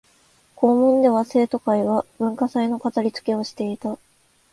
校門では生徒会が文化祭の飾りつけをしていた